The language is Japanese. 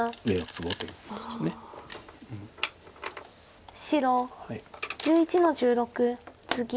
白１１の十六ツギ。